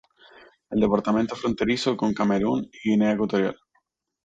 El departamento es fronterizo con Camerún y Guinea Ecuatorial.